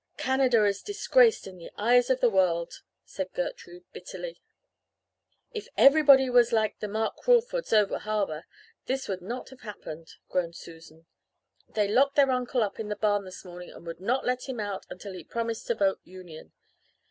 "'Canada is disgraced in the eyes of the world,' said Gertrude bitterly. "'If everybody was like the Mark Crawfords over harbour this would not have happened,' groaned Susan. 'They locked their Uncle up in the barn this morning and would not let him out until he promised to vote Union.